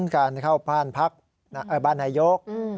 การเข้าพลาดบ้านนายก